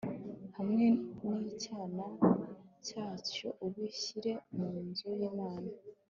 hamwe n'icyana cyacyo ubishyire mu nzu y'imana